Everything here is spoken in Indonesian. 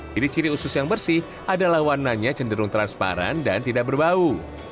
jadi ciri usus yang bersih adalah warnanya cenderung transparan dan tidak berbau